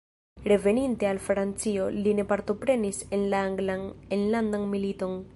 Reveninte al Francio li ne partoprenis en la Anglan enlandan militon.